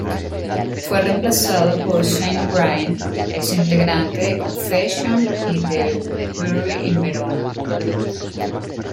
Fue reemplazado por Shane O'Brien, ex integrante de Confession y de Buried In Verona.